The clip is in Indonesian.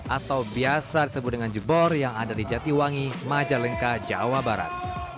atau biasa disebut dengan jebor yang ada di jatiwangi majalengka jawa barat